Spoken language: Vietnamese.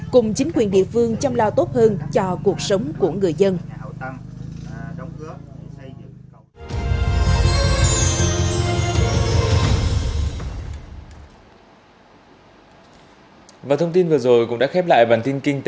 cùng chính quyền địa phương chăm lo tốt hơn cho cuộc sống của người dân